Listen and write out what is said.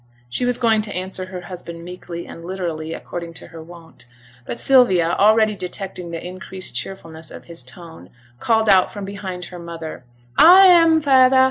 She was going to answer her husband meekly and literally according to her wont, but Sylvia, already detecting the increased cheerfulness of his tone, called out from behind her mother 'I am, feyther.